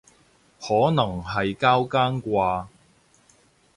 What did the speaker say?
可能係交更啩